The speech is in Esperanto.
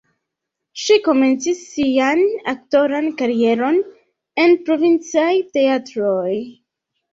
Ŝi komencis sian aktoran karieron en provincaj teatroj.